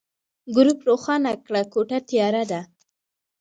ګروپ روښانه کړه، کوټه تياره ده.